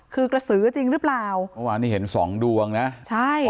คือกระสือจริงหรือเปล่าเมื่อวานนี้เห็นสองดวงนะใช่